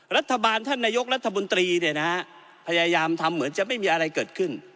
รัฐบาลท่านนายกรัฐมนตรีพยายามทำเหมือนจะไม่มีอะไรเกิดขึ้น